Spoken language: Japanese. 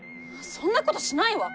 そんなことしないわ！